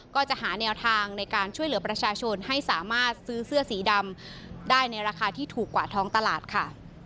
ก็จะหาแนวทางในการช่วยเหลือประชาชนให้สามารถซื้อเสื้อสีดำได้ในราคาที่ถูกกว่าท้องตลาดค่ะ